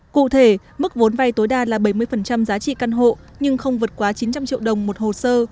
cụ thể mức vốn vay tối đa là bảy mươi giá trị căn hộ nhưng không vượt quá chín trăm linh triệu đồng một hồ sơ